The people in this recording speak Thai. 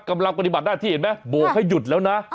กำลังปฏิบัติหน้าที่เห็นไหมโบกให้หยุดแล้วนะ